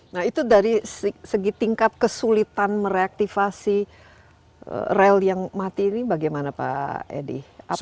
nah itu dari segi tingkat kesulitan mereaktivasi rel yang mati ini bagaimana pak edi